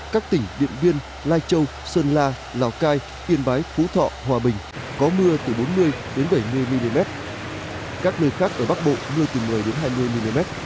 các tỉnh việt viên lai châu sơn la lào cai yên bái hú thọ hòa bình có mưa từ bốn mươi đến bảy mươi mm các nơi khác ở bắc bộ mưa từ một mươi đến hai mươi mm